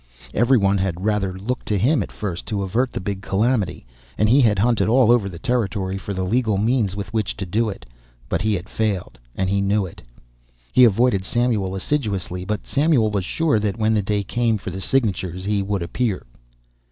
Every one had rather looked to him at first to avert the big calamity, and he had hunted all over the territory for the legal means with which to do it, but he had failed, and he knew it. He avoided Samuel assiduously, but Samuel was sure that when the day came for the signatures he would appear.